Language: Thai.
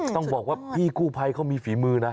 ต้องบอกว่าพี่กู้ภัยเขามีฝีมือนะ